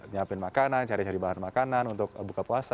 nyiapin makanan cari cari bahan makanan untuk buka puasa